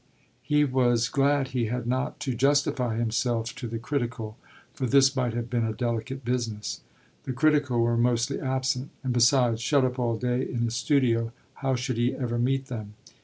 He was glad he had not to justify himself to the critical, for this might have been a delicate business. The critical were mostly absent; and besides, shut up all day in his studio, how should he ever meet them?